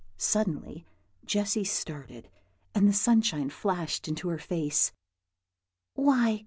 Suddenly Jessy started, and the sunshine flashed into her face. "Why!"